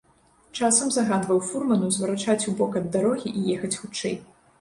Часам загадваў фурману зварачаць у бок ад дарогі і ехаць хутчэй.